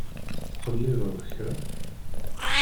Tettqellibeḍ kra?